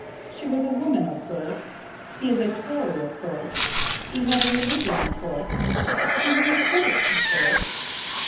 "She was a woman of sorts;" "he is a Tory of sorts;" "he had a religion of sorts;" "he was a critic of sorts."